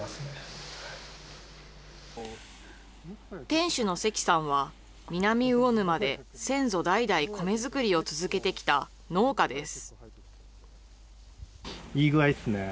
店主の関さんは、南魚沼で先祖代々米作りを続けてきた農家です。